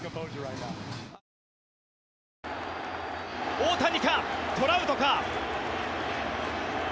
大谷か、トラウトか。